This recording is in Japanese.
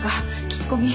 聞き込み。